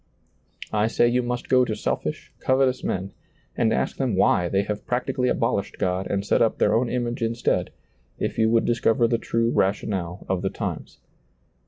I say you must go to selfish, covetous men, and ask them why they have practically abolished God and set up their own image instead, if you would discover the true rationale of the times.